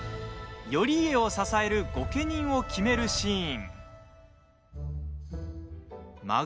頼家を支える御家人を決めるシーン。